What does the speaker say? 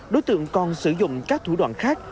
đối tượng còn sử dụng các thủ đoạn khác